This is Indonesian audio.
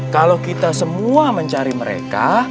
kalau kita semua mencari mereka